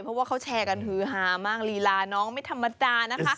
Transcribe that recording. เพราะว่าเขาแชร์กันฮือฮามากลีลาน้องไม่ธรรมดานะคะ